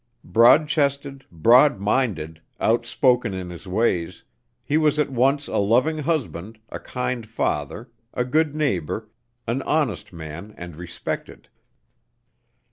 Broad chested, broad minded, outspoken in his ways, he was at once a loving husband, a kind father, a good neighbor, an honest man and respected.